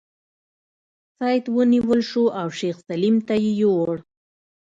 سید ونیول شو او شیخ سلیم ته یې یووړ.